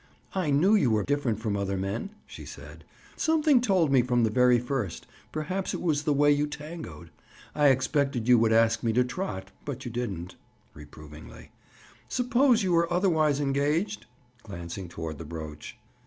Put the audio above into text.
"I knew you were different from other men," she said. "Something told me from the very first; perhaps it was the way you tangoed. I expected you would ask me to trot, but you didn't." Reprovingly. "Suppose you were otherwise engaged?" Glancing toward the brooch.